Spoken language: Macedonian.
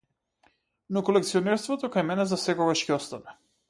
Но колекционерството кај мене засекогаш ќе остане.